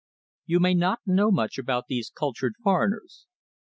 You may not know much about these cultured foreigners.